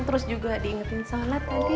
terus juga diingetin sonat tadi